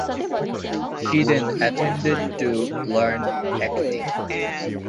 She then attended to learn acting.